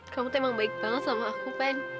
kamu memang baik banget sama aku ban